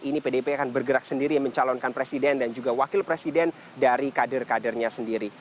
ini pdip akan bergerak sendiri mencalonkan presiden dan juga wakil presiden dari kader kadernya sendiri